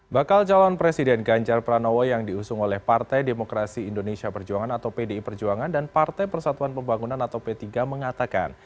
bakal calon presiden ganjar pranowo yang diusung oleh partai demokrasi indonesia perjuangan atau pdi perjuangan dan partai persatuan pembangunan atau p tiga mengatakan